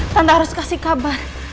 tante harus kasih kabar